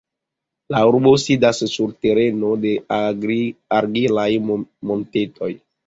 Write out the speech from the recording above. La urbo sidas sur tereno de argilaj montetoj.